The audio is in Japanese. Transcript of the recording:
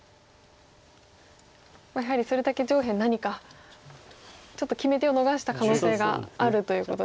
やはりそれだけ上辺何かちょっと決め手を逃した可能性があるということですね。